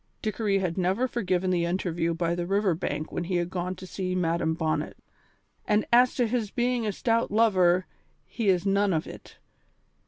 Dickory had never forgiven the interview by the river bank when he had gone to see Madam Bonnet. "And as to his being a stout lover, he is none of it.